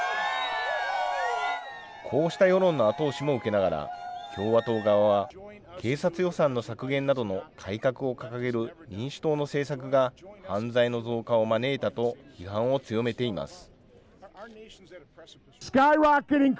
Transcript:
こうした世論の後押しも受けながら、共和党側は、警察予算の削減などの改革を掲げる民主党の政策が犯罪の増加を招いたと批判を強めています。